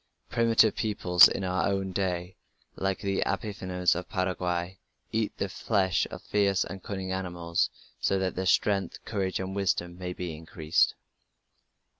Primitive peoples in our own day, like the Abipones of Paraguay, eat the flesh of fierce and cunning animals so that their strength, courage, and wisdom may be increased.